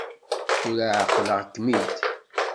Tura εeqleɣ-kem-id.